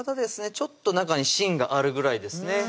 ちょっと中に芯があるぐらいですね